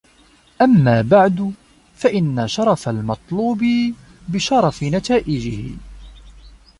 أَمَّا بَعْدُ فَإِنَّ شَرَفَ الْمَطْلُوبِ بِشَرَفِ نَتَائِجِهِ